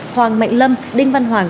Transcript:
hoàng mạnh lâm đinh văn hoàng